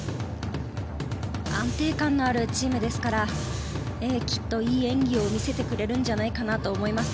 安定感のあるチームですからきっといい演技を見せてくれるんじゃないかなと思います。